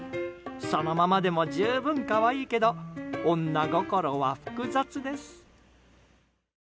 そのままでも十分、可愛いけど女心は複雑です。